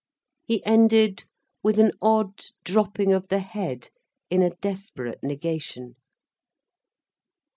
He ended with an odd dropping of the head in a desperate negation.